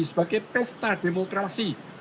sebagai pesta demokrasi